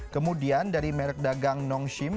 kemudian dari merek dagang nongshim